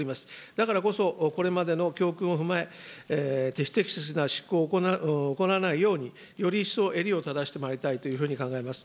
だからこそ、これまでの教訓を踏まえ、不適切な執行を行わないように、より一層襟を正してまいりたいと考えます。